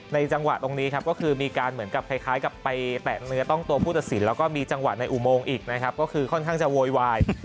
จังหวะตรงนี้ครับก็คือมีการเหมือนกับคล้ายกับไปแตะเนื้อต้องตัวผู้ตัดสินแล้วก็มีจังหวะในอุโมงอีกนะครับก็คือค่อนข้างจะโวยวาย